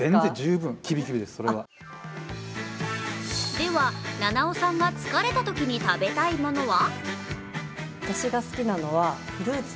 では、菜々緒さんが疲れたときに食べたいものは？